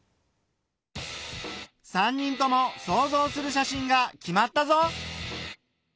３人とも想像する写真が決まったぞ。